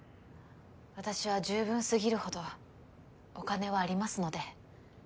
私は十分すぎるほどお金はありますので。